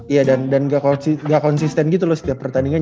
iya dan gak konsisten gitu loh setiap pertandingan